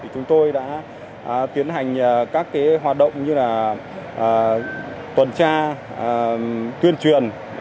chúng tôi đã tiến hành các hoạt động như tuần tra tuyên truyền